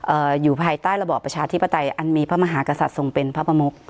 อยู่ภายใต้ระบอบประชาธิปไตยอันมีพระมหากษัตริย์ทรงเป็นพระประมุก